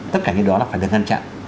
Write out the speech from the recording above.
tất cả những đó là phải được ngăn chặn